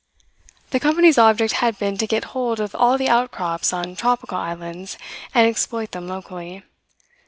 The company's object had been to get hold of all the outcrops on tropical islands and exploit them locally.